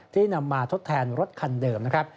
ที่นำมาทดแทนรถคันเกือบ